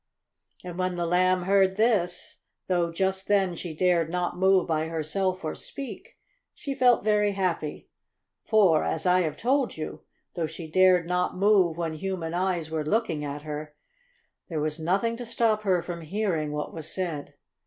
And when the Lamb heard this, though just then she dared not move by herself or speak, she felt very happy. For, as I have told you, though she dared not move when human eyes were looking at her, there was nothing to stop her from hearing what was said.